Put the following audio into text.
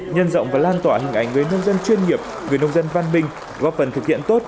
nhân rộng và lan tỏa hình ảnh người nông dân chuyên nghiệp người nông dân văn minh góp phần thực hiện tốt